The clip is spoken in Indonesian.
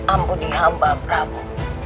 ampuni hamba prabu